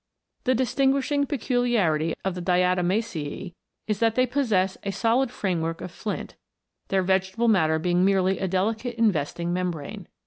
The distinguishing peculiarity of the Diatomacecr is, that they possess a solid framework of flint, their vegetable matter being merely a delicate investing membrane.